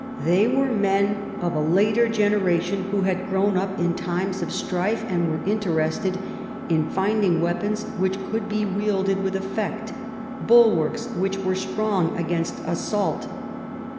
They THE EXCOMMUNICATION OF ELIZABETH. 127 were men of a later generation, who had grown up in times of strife and were interested in finding weapons which could be wielded with effect, bulwarks which were strong against assault.